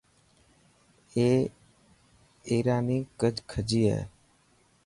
اي ايراني کجي هي.